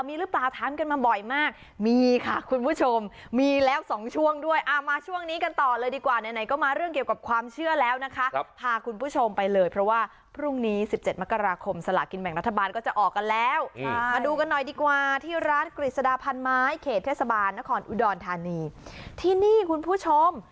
มีรึเปล่ามีรึเปล่าถามกันมาบ่อยมากมีค่ะคุณผู้ชม